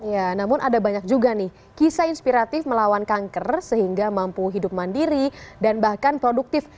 ya namun ada banyak juga nih kisah inspiratif melawan kanker sehingga mampu hidup mandiri dan bahkan produktif